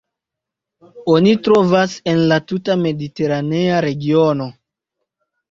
Oni trovas en la tuta mediteranea regiono.